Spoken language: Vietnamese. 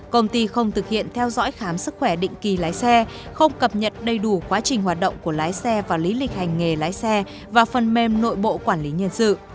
công ty không thực hiện theo dõi khám sức khỏe định kỳ lái xe không cập nhật đầy đủ quá trình hoạt động của lái xe và lý lịch hành nghề lái xe và phần mềm nội bộ quản lý nhân sự